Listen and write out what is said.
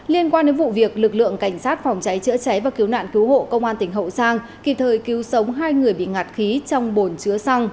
liên quan đến vụ việc lực lượng cảnh sát phòng cháy chữa cháy và cứu nạn cứu hộ công an tỉnh hậu giang kịp thời cứu sống hai người bị ngạt khí trong bồn chứa xăng